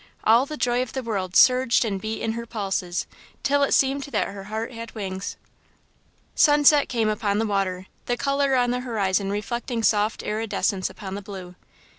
All the joy of the world surged and beat in her pulses, till it seemed that her heart had wings. Sunset came upon the water, the colour on the horizon reflecting soft iridescence upon the blue.